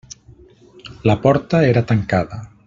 La porta era tancada.